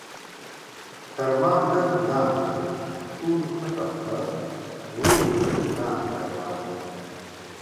تر ما لږ وړاندې و، ټول پټه خوله ورو ورو وړاندې روان و.